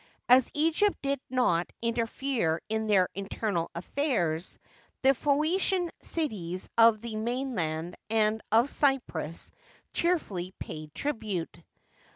As Egypt did not in terfere in their internal affairs, the Phoenician cities of the mainland and of Cjrprus cheerfully paid tribute.